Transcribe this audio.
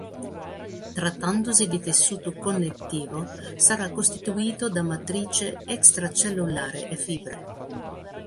Trattandosi di tessuto connettivo sarà costituito da matrice extracellulare e fibre.